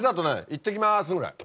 「いってきます」ぐらい。